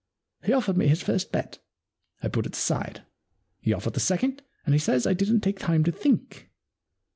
He offered me his first bet. I put it aside. He offered the second, and he says I didn't take time to think.